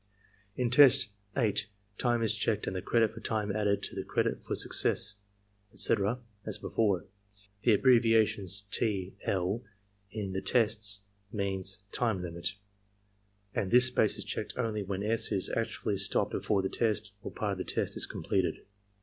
In test 8 time is checked and the credit for time added to the credit for success, etc., as before. The abbreviations T. L. in these tests means "time limit"; and this space is checked only when S. is actually stopped before the test or part of the test is completed.